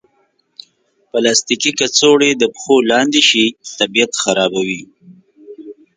پلاستيکي کڅوړې د پښو لاندې شي، طبیعت خرابوي.